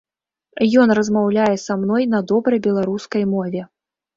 Ён размаўляе са мной на добрай беларускай мове.